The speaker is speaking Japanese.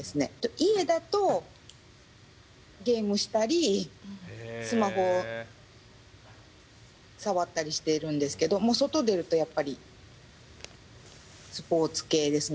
家だと、ゲームしたり、スマホ触ったりしてるんですけど、外出るとやっぱり、スポーツ系ですね。